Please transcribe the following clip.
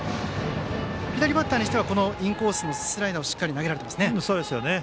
左バッターにはインコースのスライダーをしっかり投げられていますね。